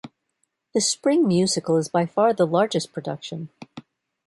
The spring musical is by far the largest production.